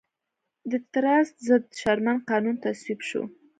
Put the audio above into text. د ټراست ضد شرمن قانون تصویب شو.